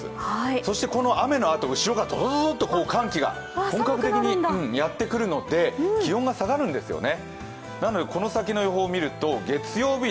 そしてこの雨のあと、後ろからどどどっど寒気が本格的にやってくるので、気温が下がるんですよね。